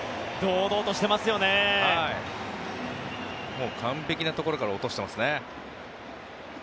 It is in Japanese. もう完璧なところから落としてますね。